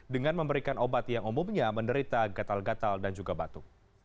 dengan memberikan obat yang umumnya menderita gatal gatal dan juga batuk